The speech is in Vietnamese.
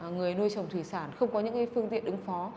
người nuôi chồng thủy sản không có những phương tiện đứng phó